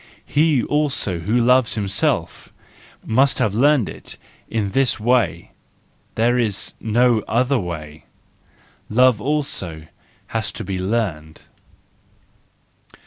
He also who loves himself must have learned it in this way: there is no other way. Love also has to be learned.